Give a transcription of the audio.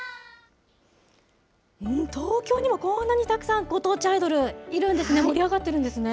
東京にもこんなにたくさんご当地アイドル、いるんですね、盛り上がってるんですね。